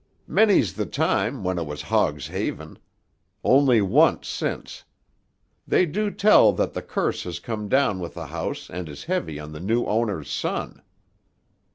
"Many's the time, when it was Hogg's Haven. Only once, since. They do tell that the curse has come down with the house and is heavy on the new owner's son."